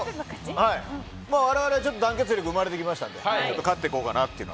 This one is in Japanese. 我々、団結力生まれてきましたので勝っていこうかなと。